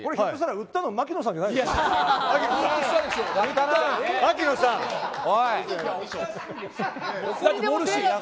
売ったの槙野さんじゃないですか。